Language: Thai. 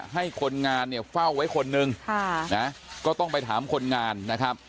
ให้คนงานเนี่ยเฝ้าไว้คนนึงก็ต้องไปถามคนงานนะครับ